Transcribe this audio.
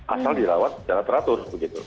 asal dirawat jalan teratur